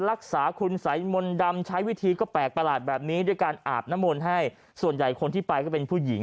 รักษาคุณสัยมนต์ดำใช้วิธีก็แปลกประหลาดแบบนี้ด้วยการอาบน้ำมนต์ให้ส่วนใหญ่คนที่ไปก็เป็นผู้หญิง